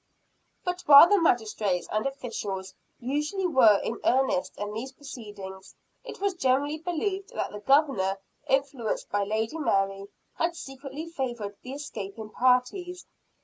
But while the magistrates and officials usually were in earnest in these proceedings, it was generally believed that the Governor, influenced by Lady Mary, had secretly favored the escaping parties.